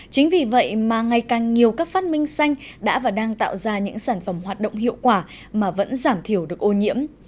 chính vì vậy mà ngày càng nhiều các phát minh xanh đã và đang tạo ra những sản phẩm hoạt động hiệu quả mà vẫn giảm thiểu được ô nhiễm